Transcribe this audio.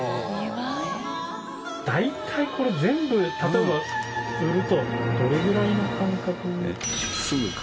大体これ全部例えば売るとどれぐらいの価格？